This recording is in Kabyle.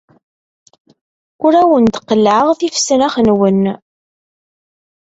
Ur awent-d-qellɛeɣ tifesnax-nwen.